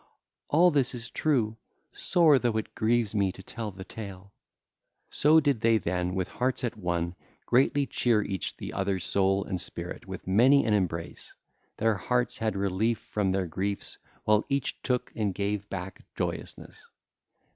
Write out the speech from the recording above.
All this is true, sore though it grieves me to tell the tale.' (ll. 434 437) So did they turn, with hearts at one, greatly cheer each the other's soul and spirit with many an embrace: their heart had relief from their griefs while each took and gave back joyousness.